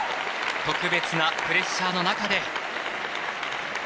特別なプレッシャーの中で。